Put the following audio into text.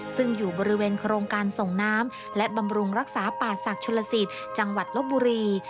ซึ่งอยู่บริเวณโครงการส่งน้ำและบำรุงรักษาป่าศักดิ์ชนลสิตจังหวัดลบบุรี